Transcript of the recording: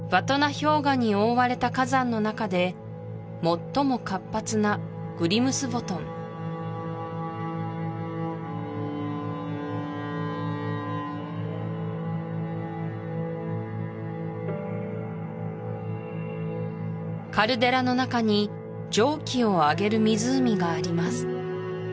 氷河に覆われた火山の中で最も活発なグリムスヴォトンカルデラの中に蒸気を上げる湖があります